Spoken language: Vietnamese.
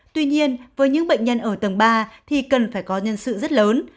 tuy nhiên với những bệnh nhân ở tầng ba thì cần phải có nhân sự rất lớn